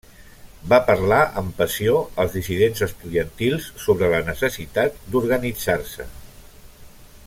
Va parlar amb passió als dissidents estudiantils sobre la necessitat d'organitzar-se.